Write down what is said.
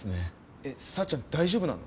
えさっちゃん大丈夫なの？